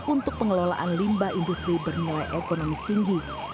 untuk pengelolaan limbah industri bernilai ekonomis tinggi